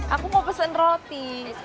aku mau pesen roti